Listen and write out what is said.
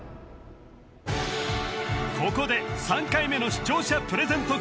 ここで３回目の視聴者プレゼント